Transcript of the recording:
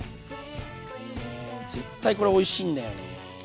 絶対これおいしいんだよね。